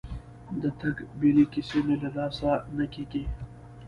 د تګ بیلې کیسې مې له لاسه نه کېږي.